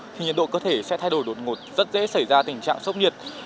thì nhiệt độ cơ thể sẽ thay đổi đột ngột rất dễ xảy ra tình trạng sốc nhiệt